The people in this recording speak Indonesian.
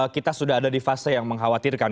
kita sudah ada di fase yang mengkhawatirkan